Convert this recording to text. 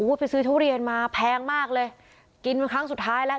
ไปซื้อทุเรียนมาแพงมากเลยกินเป็นครั้งสุดท้ายแล้ว